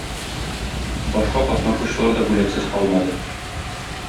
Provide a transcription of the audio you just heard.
Башка катнашучылар да бүләксез калмады.